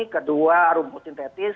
kedua rumput sintetis